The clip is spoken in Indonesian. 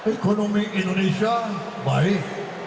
ekonomi indonesia baik